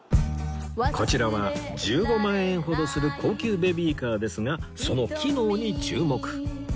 こちらは１５万円ほどする高級ベビーカーですがその機能に注目